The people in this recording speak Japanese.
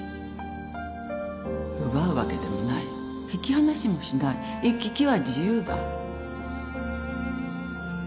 奪うわけでもない引き離しもしない行き来は自由だ